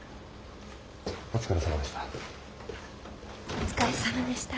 お疲れさまでした。